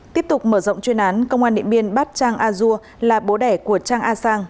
tiếp tục mở rộng chuyên án công an điện biên bắt trang a dua là bố đẻ của trang a sang